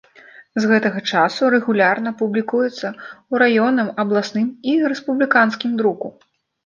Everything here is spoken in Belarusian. З гэтага часу рэгулярна публікуецца ў раённым, абласным і рэспубліканскім друку.